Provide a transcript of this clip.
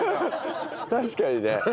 確かにね。